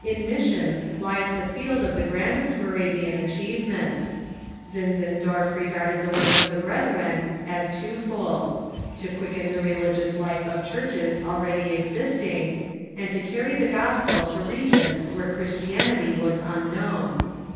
In missions lies the field of the grandest Moravian achieve ments. Zinzendorf regarded the work of the Brethren as tw'o fold — to quicken the religious life of churches already exist ing, and to carry the gospel to regions where Christianity was 328 THE MODEKX CHURCn unknown.